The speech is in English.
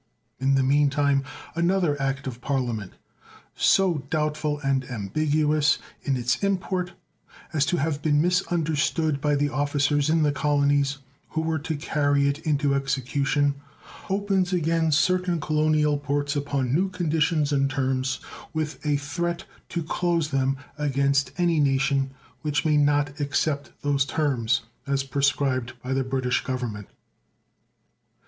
In the mean time another act of Parliament, so doubtful and ambiguous in its import as to have been misunderstood by the officers in the colonies who were to carry it into execution, opens again certain colonial ports upon new conditions and terms, with a threat to close them against any nation which may not accept those terms as prescribed by the British Government.